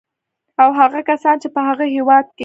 او هغه کسان چې په هغه هېواد کې